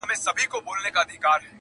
خلګ ياران نه په لسټوني کي ماران ساتي